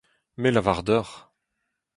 Me 'lavar deoc'h.